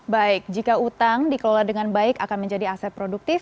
baik jika utang dikelola dengan baik akan menjadi aset produktif